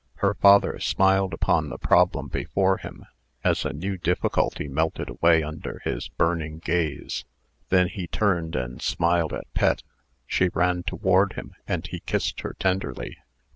Her father smiled upon the problem before him, as a new difficulty melted away under his burning gaze. Then he turned, and smiled at Pet. She ran toward him, and he kissed her tenderly.